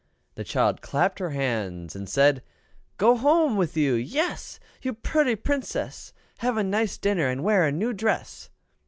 The child clapped her hands and said, "Go home with you yes! You pooty Princess! Have a nice dinner, and wear a new dress!"